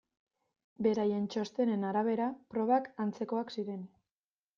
Beraien txostenen arabera probak antzekoak ziren.